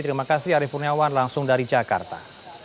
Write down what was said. terima kasih ariefurniawan langsung dari jakarta